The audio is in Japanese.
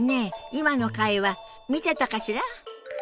今の会話見てたかしら？